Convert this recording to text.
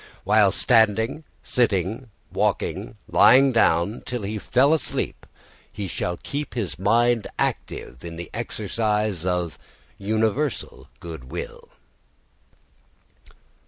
While standing, sitting, walking, lying down, till he fall asleep, he shall keep his mind active in this exercise of universal goodwill."